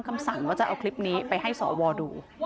คำสั่งว่าจะเอาคลิปนี้ไปให้สวดู